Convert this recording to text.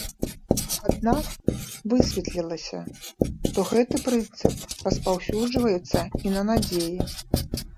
Аднак высветлілася, што гэты прынцып распаўсюджваецца і на надзеі.